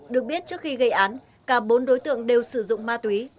được biết trước khi gây án cả bốn đối tượng đều sử dụng ma túy